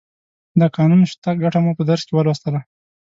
د قانون شتون ګټه مو په درس کې ولوستله.